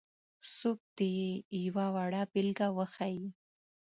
څوک دې یې یوه وړه بېلګه وښيي.